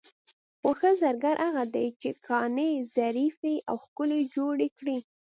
خو ښه زرګر هغه دی چې ګاڼې ظریفې او ښکلې جوړې کړي.